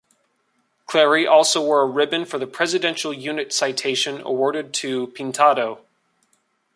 Clarey also wore a ribbon for the Presidential Unit Citation awarded to "Pintado".